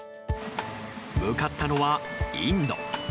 向かったのは、インド。